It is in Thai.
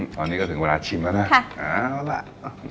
โอ้โหตอนนี้ก็ถึงเวลาชิมแล้วนะครับ